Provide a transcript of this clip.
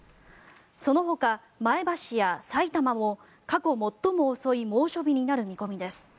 そのほか前橋やさいたまも過去最も遅い猛暑日になる見込みです。